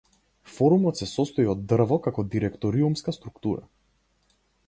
Форумот се состои од дрво како директориумска структура.